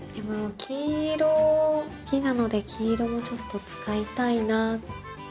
黄色好きなので黄色もちょっと使いたいな。